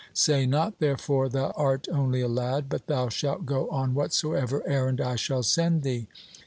Say not, therefore, thou art only a lad, but thou shalt go on whatsoever errand I shall send thee.